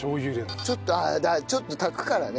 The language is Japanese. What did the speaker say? ちょっとああちょっと炊くからね。